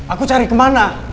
aku cari kemana